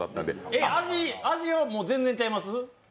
えっ、味、味は全然ちゃいます？